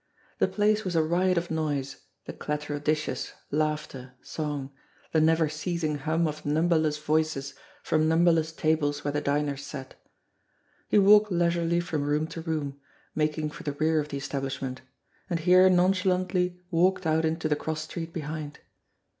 The place was a riot of noise ; the clatter of dishes, laughter, song, the never ceasing hum of numberless voices from numberless tables where the diners sat. He walked leisurely from room to room, making for the rear of the establishment and here nonchalantly walked out into the cross street behind.